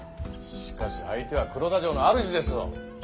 しかし相手は黒田城の主ですぞ。